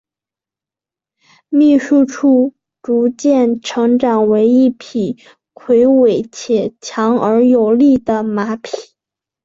秘书处逐渐成长为一匹魁伟且强而有力的马匹。